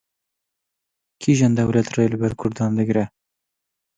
Kîjan dewlet rê li ber Kurdan digire?